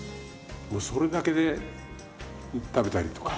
もうそれだけで食べたりとか。